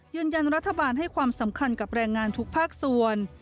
ยืนยันรัฐบาลให้ความสำคัญกับแรงงานทุกภาคส่วน